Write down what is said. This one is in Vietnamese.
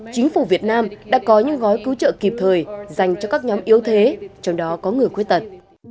chính phủ việt nam đã có những gói cứu trợ kịp thời dành cho các nhóm yếu thế trong đó có người khuyết tật